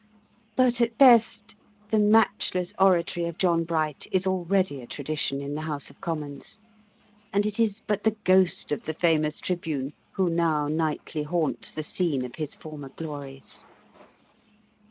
But at best the matchless oratory of John Bright is already a tradition in the House of Commons, and it is but the ghost of the famous Tribune who now nightly haunts the scene of his former glories.